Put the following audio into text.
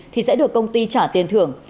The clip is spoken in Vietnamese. thì sẽ được công ty trả tiền thưởng